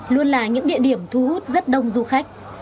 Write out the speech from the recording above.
luôn là những địa điểm thu hút rất đông du khách